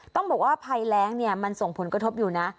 ต้องบอกว่าภัยแรงเนี่ยมันส่งผลกระทบอยู่นะ